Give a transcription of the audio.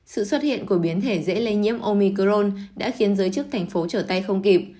sự xuất hiện của biến thể dễ lây nhiễm omicrone đã khiến giới chức thành phố trở tay không kịp